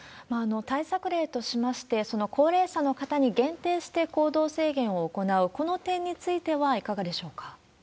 対策例としまして、その高齢者の方に限定して行動制限を行う、この点についてはいかがでしょうか？